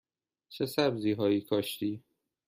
چه سبزی هایی کاشتی؟